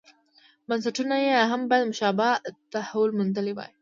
بنسټونو یې هم باید مشابه تحول موندلی وای.